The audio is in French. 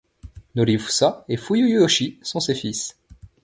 Norifusa et Fuyuyoshi sont ses fils.